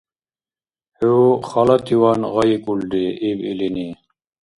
— ХӀу халативан гъайикӀулри! — иб илини.